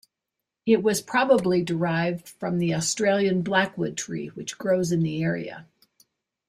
It was probably derived from the Australian Blackwood tree which grows in the area.